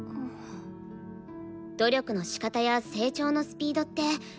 努力のしかたや成長のスピードって人それぞれだし。